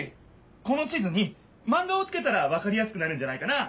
この地図にマンガをつけたらわかりやすくなるんじゃないかな。